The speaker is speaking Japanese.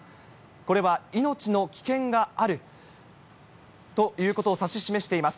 これは命の危険があるということを指し示しています。